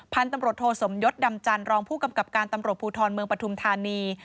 พันธุ์ตำรวจโทสมยศดำจันรองผู้กำกับการตำรวจภูทรเมืองปฐุมธานี